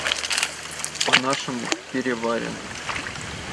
По нашему, переварено.